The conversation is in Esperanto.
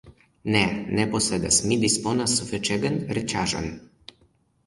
Ne, ne posedas, mi disponas sufiĉegan riĉaĵon.